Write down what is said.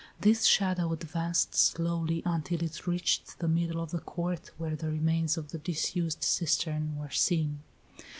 This shadow advanced slowly until it reached the middle of the court where the remains of the disused cistern were seen.